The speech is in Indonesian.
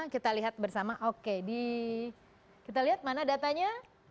kita lihat bersama oke kita lihat mana datanya